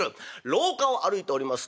廊下を歩いております